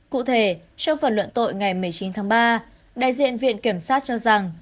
cụ thể trong phần luận tội ngày một mươi chín tháng ba đại diện viện kiểm sát cho rằng